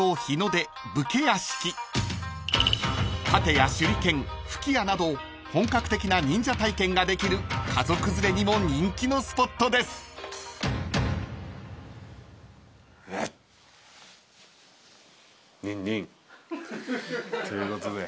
［殺陣や手裏剣吹き矢など本格的な忍者体験ができる家族連れにも人気のスポットです］ということで。